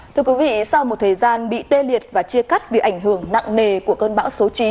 thưa quý vị sau một thời gian bị tê liệt và chia cắt vì ảnh hưởng nặng nề của cơn bão số chín